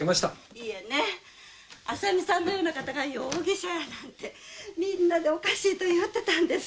いえね浅見さんのような方が容疑者やなんてみんなでおかしいと言うてたんです。